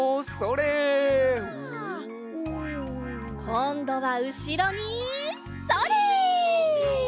こんどはうしろにそれ！